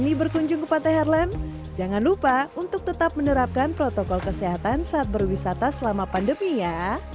berani berkunjung ke pantai herlem jangan lupa untuk tetap menerapkan protokol kesehatan saat berwisata selama pandemi ya